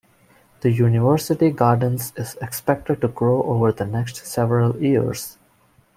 The University gardens is expected to grow over the next several years.